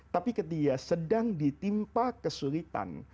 tapi ketika sedang ditimpa kesulitan